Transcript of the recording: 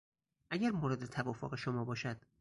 اگر مورد توافق شما باشد